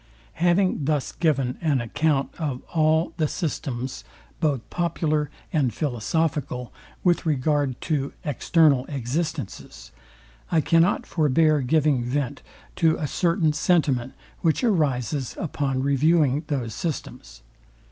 Having thus given an account of all the systems both popular and philosophical, with regard to external existences, I cannot forbear giving vent to a certain sentiment, which arises upon reviewing those systems.